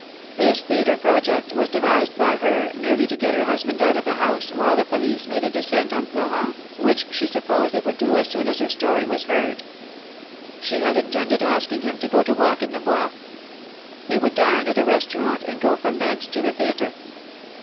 This theatre project was devised by her, merely to get her husband out of the house while the police made a descent on Florent, which she supposed they would do as soon as her story was heard. She had intended asking him to go to walk in the Bois. They would dine at a restaurant, and go from thence to the theatre.